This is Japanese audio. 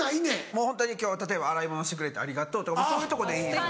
もうホントに例えば「洗い物してくれてありがとう」とかそういうとこでいいんですよ。